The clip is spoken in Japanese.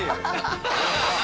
ハハハハ！